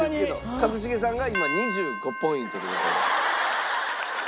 一茂さんが今２５ポイントでございます。